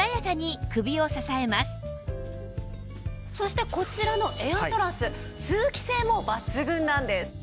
そしてこちらのエアトラス通気性も抜群なんです。